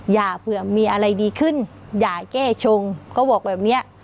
อย่าเผื่อมีอะไรดีขึ้นอย่าแก้ชงเขาบอกแบบเนี้ย